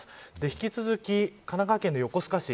引き続き、神奈川県の横須賀市